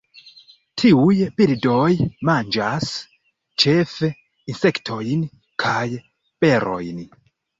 Tiuj birdoj manĝas ĉefe insektojn kaj berojn.